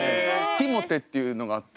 ティモテっていうのがあって。